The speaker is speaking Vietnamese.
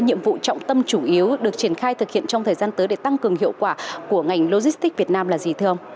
nhiệm vụ trọng tâm chủ yếu được triển khai thực hiện trong thời gian tới để tăng cường hiệu quả của ngành logistics việt nam là gì thưa ông